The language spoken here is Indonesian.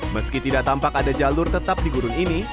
meski tidak tampak ada jalur tetap di gurun ini